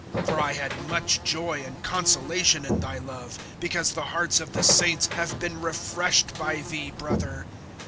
(7)For I had[1:7] much joy and consolation in thy love, because the hearts of the saints have been refreshed by thee, brother.